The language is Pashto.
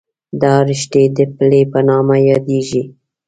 دا رشتې د پلې په نامه یادېږي.